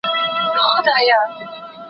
زه له سهاره د سبا لپاره د ژبي تمرين کوم؟!